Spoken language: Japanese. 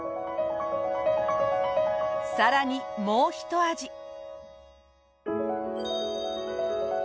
さらにもうひと味。